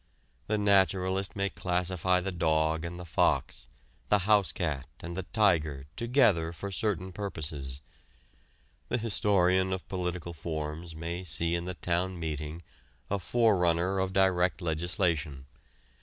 The naturalist may classify the dog and the fox, the house cat and the tiger together for certain purposes. The historian of political forms may see in the town meeting a forerunner of direct legislation.